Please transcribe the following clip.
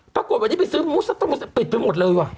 ปรากฏวันนี้ไปซื้อมูสตูปิดไปหมดเลยว่ะ